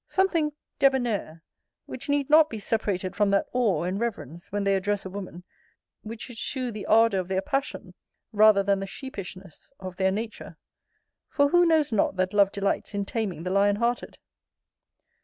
Something debonnaire; which need not be separated from that awe and reverence, when they address a woman, which should shew the ardour of their passion, rather than the sheepishness of their nature; for who knows not that love delights in taming the lion hearted?